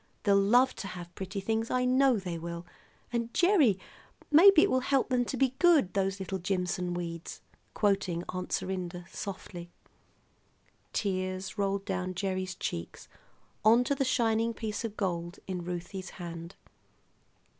They'll love to have pretty things; I know they will. And, Gerry, maybe it will help them to be good, those little Jimson weeds," quoting Aunt Serinda softly. Tears rolled down Gerry's cheeks onto the shining piece of gold in Ruthie's hand.